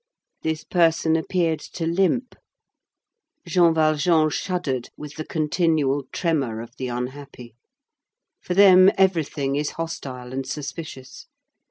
This person appeared to limp. Jean Valjean shuddered with the continual tremor of the unhappy. For them everything is hostile and suspicious.